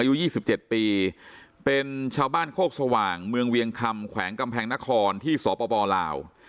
อายุ๒๗ปีเป็นชาวบ้านโคกสว่างเมืองเวียงคำแขวงกำแพงนครที่สปลาว